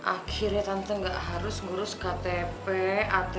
akhirnya tante gak harus ngurus ktp atm